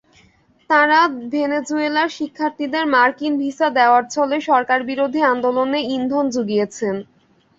তাঁরা ভেনেজুয়েলার শিক্ষার্থীদের মার্কিন ভিসা দেওয়ার ছলে সরকারবিরোধী আন্দোলনে ইন্ধন জুগিয়েছেন।